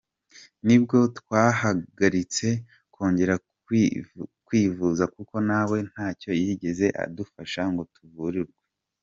Nibwo twahagaritse kongera kwivuza kuko nawe ntacyo yigeze adufasha ngo tuvurwe.